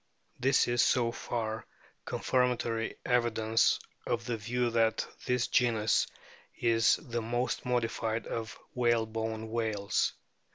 This is so far confirmatory evidence of the view that this genus is the most modified of whalebone whales.